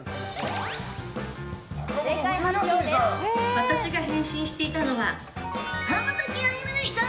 私が変身していたのは浜崎あゆみでした！